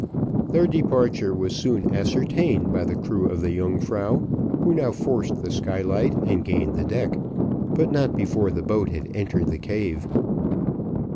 Their departure was soon ascertained by the crew of the Yungfrau who now forced the skylight, and gained the deck, but not before the boat had entered the cave.